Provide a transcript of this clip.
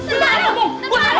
terlalu terlalu terlalu